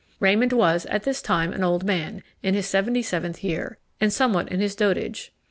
Raymond was, at this time, an old man, in his seventy seventh year, and somewhat in his dotage.